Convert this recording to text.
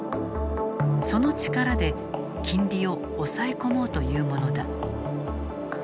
その力で金利を押さえ込もうというものだ。